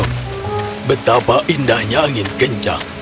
betapa indahnya angin kencang